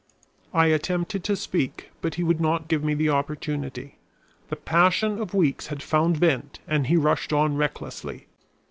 I attempted to speak, but he would not give me the opportunity. The passion of weeks had found vent and he rushed on recklessly.